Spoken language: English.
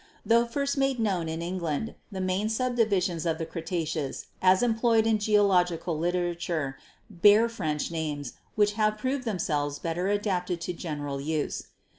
Tho first made known in England, the main subdivisions of the Cre taceous, as employed in geological literature, bear French names, which have proved themselves better adapted to general use.